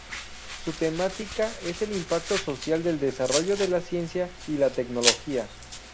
Su temática es el impacto social del desarrollo de la ciencia y la tecnología.